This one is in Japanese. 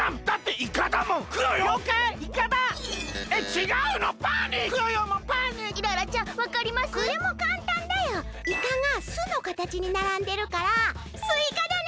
「いか」が「す」のかたちにならんでるから「すいか」だね！